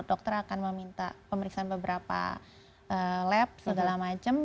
dokter akan meminta pemeriksaan beberapa lab segala macam